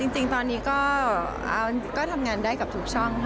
จริงตอนนี้ก็ทำงานได้กับทุกช่อง